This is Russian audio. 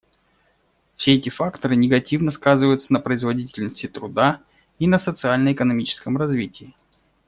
Все эти факторы негативно сказываются на производительности труда и на социально-экономическом развитии.